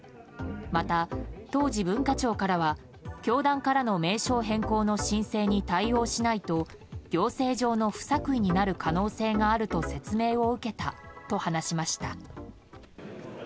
また当時、文化庁からは教団からの名称変更の申請に対応しないと行政上の不作為になる可能性があると説明を受けたと話しました。